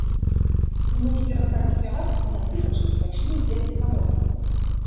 Унукі перасталі спяваць і на цыпачках пайшлі ў дзедаву каморку.